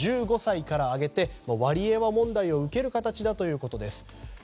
１５歳から上げてワリエワ問題を受ける形だということです。